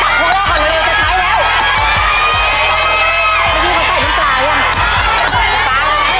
ตัวเลือกที่สี่ชัชวอนโมกศรีครับ